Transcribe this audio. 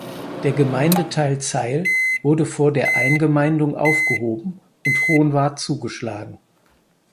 Der Gemeindeteil Zeil wurde vor der Eingemeindung aufgehoben und Hohenwart zugeschlagen.